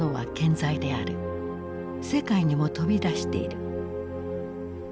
世界にも飛び出している。